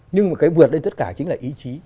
nhưng mà cái vượt lên tất cả chính là ý chí